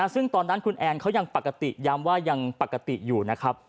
ซึ่งตอนนั้นคุณแอนเขายังปกติย้ำว่ายังปกติอยู่นะครับ